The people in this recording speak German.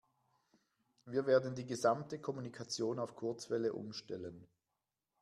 Wir werden die gesamte Kommunikation auf Kurzwelle umstellen.